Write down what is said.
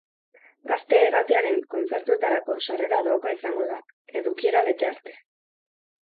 Gaztea irratiaren kontzertuetarako sarrera doakoa izango da, edukiera bete arte.